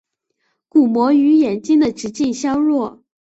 鼓膜与眼睛的直径相若。